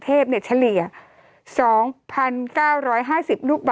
โทษทีน้องโทษทีน้อง